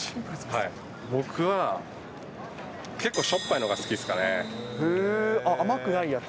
僕は結構しょっぱいのが好き甘くないやつ？